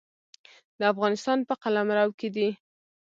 د افغانستان په قلمرو کې دی.